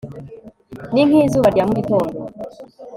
ni nk'izuba rya mu gitondo